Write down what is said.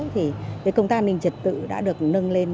thì công tác an ninh trật tự đã được nâng lên